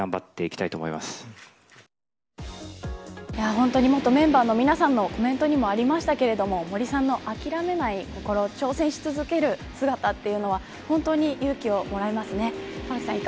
本当に元メンバーの皆さんのコメントにもありましたが森さんの諦めない心挑戦し続ける姿というのは本当に勇気をもらえますね。